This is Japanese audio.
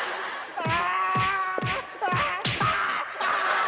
ああ！